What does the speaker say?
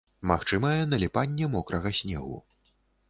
Магчымае наліпанне мокрага снегу.